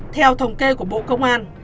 theo thống kê của bộ công an